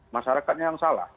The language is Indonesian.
masyarakatnya yang salah